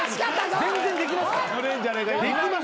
全然できます。